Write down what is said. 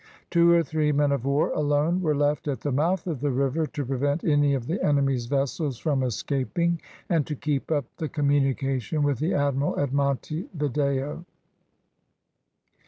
Two or three men of war alone were left at the mouth of the river, to prevent any of the enemy's vessels from escaping, and to keep up the communication with the admiral at Monte Video.